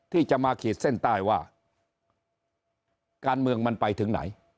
ที่จะมาขีดเส้นใต้ว่าการเมืองมันไปถึงไหน